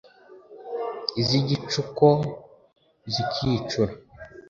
Iz'igicuko zikicura